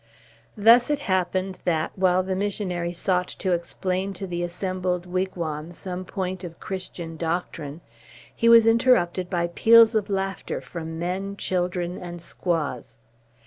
Thus it happened, that, while the missionary sought to explain to the assembled wigwam some point of Christian doctrine, he was interrupted by peals of laughter from men, children, and squaws.